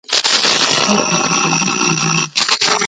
لږ تر لږه لس ملیونه یې